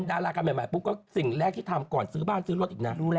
ดูแลตัวเองว่าร่ายผิดเกิดมีใครเลี้ยงให้ดูอ่ะ